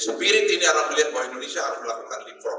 spirit ini adalah melihat bahwa indonesia harus melakukan leapfrog